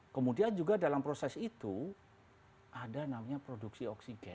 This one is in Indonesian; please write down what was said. kemudian juga dalam proses itu ada namanya produksi oksigen